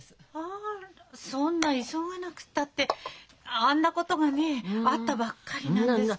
あらそんな急がなくったってあんなことがねえあったばっかりなんですから。